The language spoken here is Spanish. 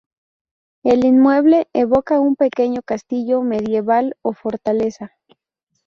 El inmueble evoca un pequeño castillo medieval o fortaleza.